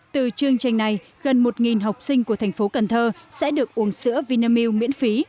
từ chương trình này gần một học sinh của thành phố cần thơ sẽ được uống sữa vinamilk miễn phí